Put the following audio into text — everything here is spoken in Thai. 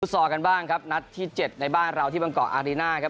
ซอลกันบ้างครับนัดที่๗ในบ้านเราที่บางเกาะอารีน่าครับ